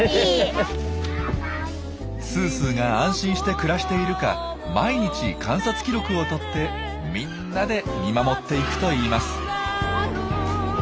すーすーが安心して暮らしているか毎日観察記録をとってみんなで見守っていくといいます。